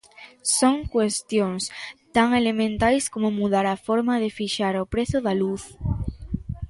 Son cuestións tan elementais como mudar a forma de fixar o prezo da luz.